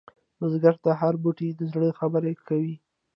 بزګر ته هره بوټۍ د زړه خبره کوي